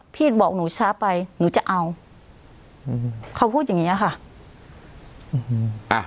พี่บอกหนูช้าไปหนูจะเอาอืมเขาพูดอย่างเงี้ยค่ะ